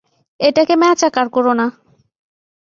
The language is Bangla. এটাকে ম্যাচাকার করো না।